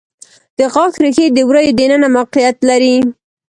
د غاښ ریښې د وریو د ننه موقعیت لري.